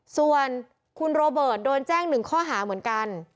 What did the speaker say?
ส่วนคุณโรเบิร์ตโดนแจ้ง๑ข้อหาเหมือนกัน